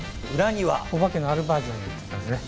お化けのあるバージョンを売ってたんですね。